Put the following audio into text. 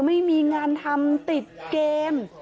ไม่มีงานทำติดเกม